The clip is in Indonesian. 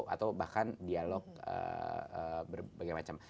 atau bahkan dialog berbagai macam